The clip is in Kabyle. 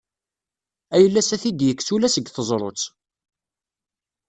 Ayla-s ad t-id-yekkes ula seg teẓrut.